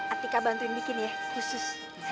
atika bantuin bikin ya khusus